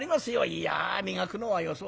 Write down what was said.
「いや磨くのはよそう。